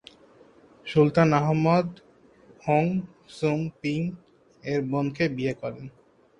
সুলতান Ahmad Ong Sum Ping এর বোনকে বিয়ে করেন।